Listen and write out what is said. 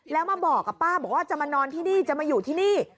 แล้วมาบอกกับป้าบอกว่าจะมานอนที่นี่จะมาอยู่ที่นี่